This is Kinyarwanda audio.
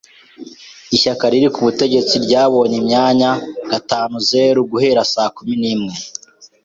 Ishyaka riri ku butegetsi ryabonye imyanya gatanuzeru guhera saa kumi n'imwe.